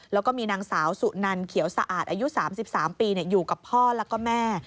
แล้วก็มีนางสาวสุนันเขียวสะอาดอายุ๓๓ปีอยู่กับพ่อแล้วก็แม่